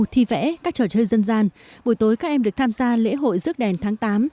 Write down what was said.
thi vẽ các trò chơi dân gian buổi tối các em được tham gia lễ hội rước đèn tháng tám